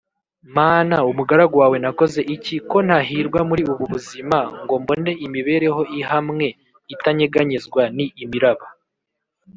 Mana umugaragu wawe Nakoze iki ko ntahirwa muri ubu buzima ngo mbone imibereho ihamwe itanyeganyezwa ni imiraba